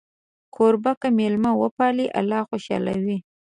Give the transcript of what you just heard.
کوربه که میلمه وپالي، الله خوشحاله وي.